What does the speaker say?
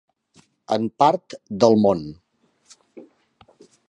En part del món.